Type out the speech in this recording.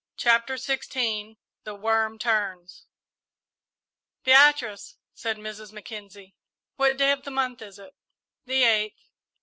CHAPTER XVI THE WORM TURNS "Beatrice," said Mrs. Mackenzie, "what day of the month is it?" "The eighth."